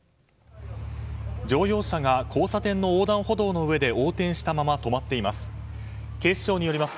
乗用車が交差点の横断歩道の上で横転したまま止まっています。